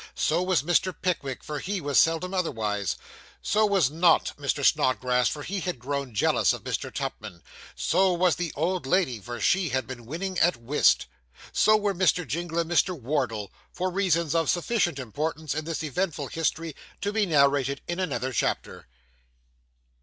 So was Mr. Pickwick, for he was seldom otherwise. So was not Mr. Snodgrass, for he had grown jealous of Mr. Tupman. So was the old lady, for she had been winning at whist. So were Mr. Jingle and Miss Wardle, for reasons of sufficient importance in this eventful history to be narrated in another chapter.